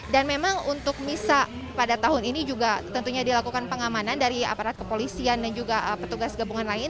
dan memang untuk misa pada tahun ini juga tentunya dilakukan pengamanan dari aparat kepolisian dan juga petugas gabungan lain